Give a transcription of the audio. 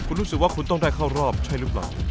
คุณรู้สึกว่าคุณต้องได้เข้ารอบใช่หรือเปล่า